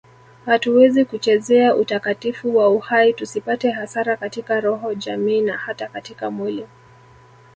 Hatuwezi kuchezea utakatifu wa uhai tusipate hasara katika roho jamii na hata katika mwili